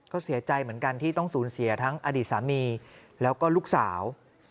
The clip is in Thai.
ก็เสียใจเหมือนกันที่ต้องสูญเสียทั้งอดีตสามีแล้วก็ลูกสาว